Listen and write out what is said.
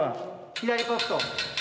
左ポスト。